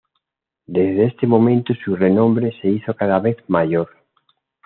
Desde este momento su renombre se hizo cada vez mayor.